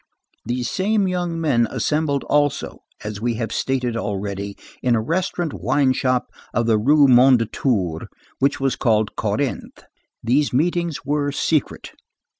These same young men assembled also, as we have stated already, in a restaurant wine shop of the Rue Mondétour which was called Corinthe. These meetings were secret.